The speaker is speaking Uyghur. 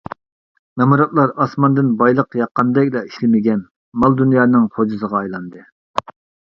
نامراتلار ئاسماندىن بايلىق ياققاندەكلا ئىشلىمىگەن مال-دۇنيانىڭ غوجىسىغا ئايلاندى.